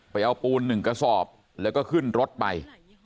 ไปเอาปูน๑กระสอบแล้วก็ขึ้นรถไป